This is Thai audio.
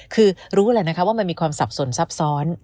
คือรู้แหละนะคะว่ามันมีความสับสนซับซ้อน